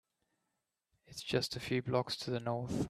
It’s just a few blocks to the North.